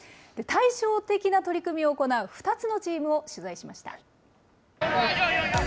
対照的な取り組みを行う２つのチームを取材しました。